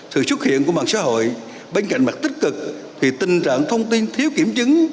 sự xuất hiện của mạng xã hội bên cạnh mặt tích cực thì tình trạng thông tin thiếu kiểm chứng